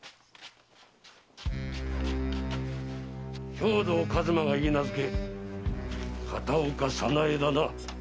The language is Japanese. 兵藤数馬が許婚片岡早苗だな？